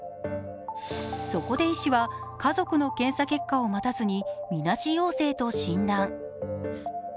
そこで医師は家族の検査結果を待たずにみなし陽性と診断。